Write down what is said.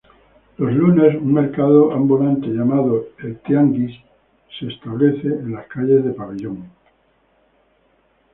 Los lunes un mercado ambulante llamado "El Tianguis" establece en las calles de Pabellón.